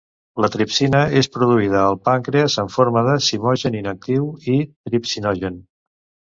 La tripsina és produïda al pàncrees, en forma de zimogen inactiu, el tripsinogen.